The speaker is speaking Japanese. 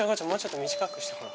もうちょっと短くして。